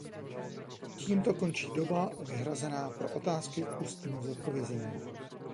Tímto končí doba vyhrazená pro otázky k ústnímu zodpovězení.